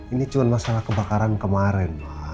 ini cuma masalah kebakaran kemarin